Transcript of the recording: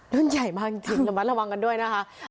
รุ่นใหญ่มากจริงระวังกันด้วยนะคะ